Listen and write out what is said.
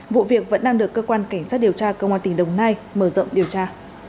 vụ việc vẫn đang được cơ quan cảnh sát điều tra công an tỉnh đồng nai mở rộng điều tra